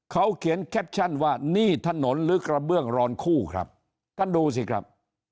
เขาเขียนแคปชั่นว่านี่ถนนหรือกระเบื้องรอนคู่ครับท่านดูสิครับ